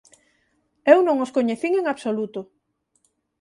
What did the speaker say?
Eu non os coñecín en absoluto.